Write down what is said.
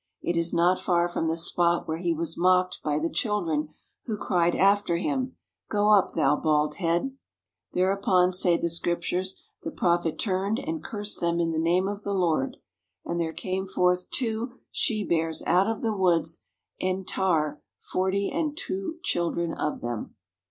It is not far from the spot where he was mocked by the chil dren who cried after him: "Go up, thou bald head/' Thereupon, say the Scriptures, the prophet turned and "cursed them in the name of the Lord. And there came forth two she bears out of the woods and tare forty and two children of them."